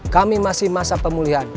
kami masih masa pemulihan